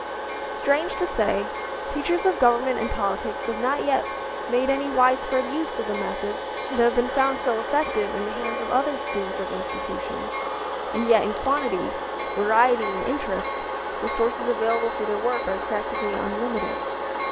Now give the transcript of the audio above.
Strange to say, teachers of government and politics have not yet made any widespread use of the methods that have been found so effective in the hands of other students of institutions, and yet in quantity, variety and interest the sources available for their work are practically unlimited.